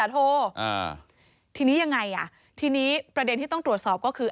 ทีนี้ยังไงอ่ะทีนี้ประเด็นที่ต้องตรวจสอบก็คือ